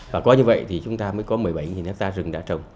và có như vậy thì chúng ta mới có một mươi bảy đất ta rừng đã trồng